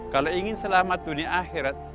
kalau ingin selamat dunia akhirat